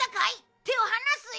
手を離すよ！